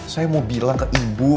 saya mau bicara sama ibu